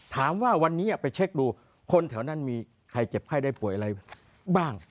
ถามว่าวันนี้ไปเช็คดูคนแถวนั้นมีใครเจ็บไข้ได้ป่วยอะไรบ้าง